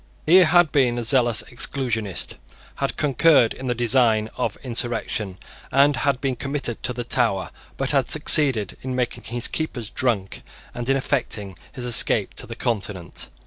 He had been a zealous Exclusionist, had concurred in the design of insurrection, and had been committed to the Tower, but had succeeded in making his keepers drunk, and in effecting his escape to the Continent.